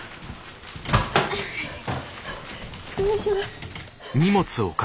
失礼します。